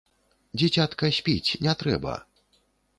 Дзіцятка спіць, не трэба!